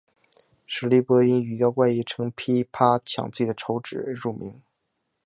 史力柏因语调怪异和常劈啪地晌自己手指而著名。